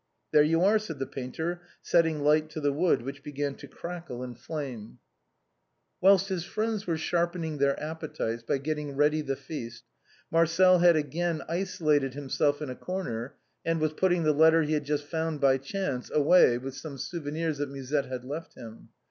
"There you are," said the painter, setting light to the wood, which began to crackle and flame. musette's fancies. 255 Whilst his friends were sharpening their appetites by getting ready the feast, Marcel had again isolated him self in a corner and was putting the letter he had just found by chance away with some souvenirs that Musette had left him.